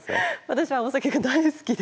私はお酒が大好きで。